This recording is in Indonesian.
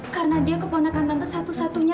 karena dia keponakan tante satu satunya